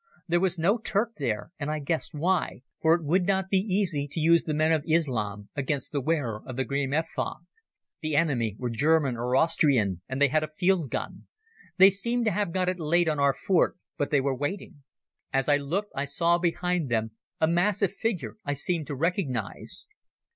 There was no Turk there, and I guessed why, for it would not be easy to use the men of Islam against the wearer of the green ephod. The enemy were German or Austrian, and they had a field gun. They seemed to have got it laid on our fort; but they were waiting. As I looked I saw behind them a massive figure I seemed to recognize.